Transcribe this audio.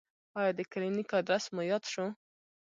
ایا د کلینیک ادرس مو یاد شو؟